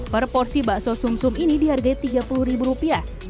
proporsi bakso sum sum ini dihargai tiga puluh rupiah